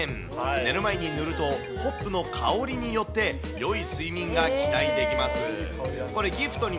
寝る前に塗ると、ホップの香りによってよい睡眠が期待できます。